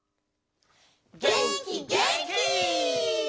げんきげんき！